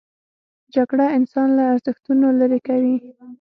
جګړه انسان له ارزښتونو لیرې کوي